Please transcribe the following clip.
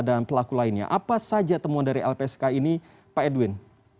dan pelaku lainnya apa saja temuan dari lpsk ini pak edwin